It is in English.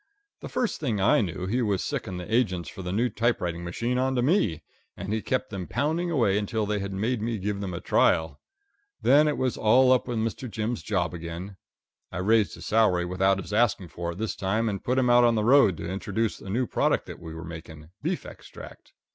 The first thing I knew he was sicking the agents for the new typewriting machine on to me, and he kept them pounding away until they had made me give them a trial. Then it was all up with Mister Jim's job again. I raised his salary without his asking for it this time, and put him out on the road to introduce a new product that we were making beef extract.